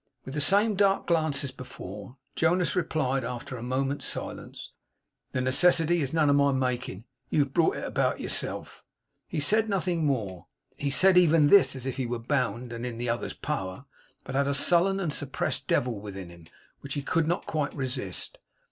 With the same dark glance as before, Jonas replied, after a moment's silence: 'The necessity is none of my making. You have brought it about yourself.' He said nothing more. He said even this as if he were bound, and in the other's power, but had a sullen and suppressed devil within him, which he could not quite resist.